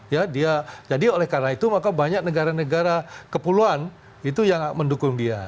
ya dia jadi oleh karena itu maka banyak negara negara kepulauan itu yang mendukung dia